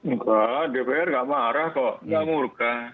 enggak dpr enggak marah kok enggak murka